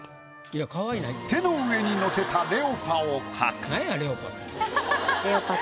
手の上に乗せたレオパを描く。